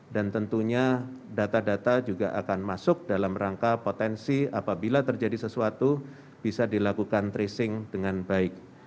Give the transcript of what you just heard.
dan tentunya data data juga akan masuk dalam rangka potensi apabila terjadi sesuatu bisa dilakukan tracing dengan baik